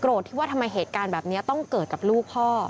ที่ว่าทำไมเหตุการณ์แบบนี้ต้องเกิดกับลูกพ่อ